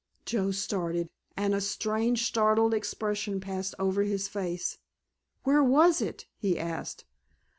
Joe started, and a strange startled expression passed over his face. "Where was it?" he asked.